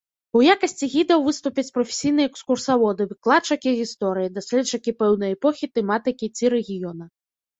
У якасці гідаў выступяць прафесійныя экскурсаводы, выкладчыкі гісторыі, даследчыкі пэўнай эпохі, тэматыкі ці рэгіёна.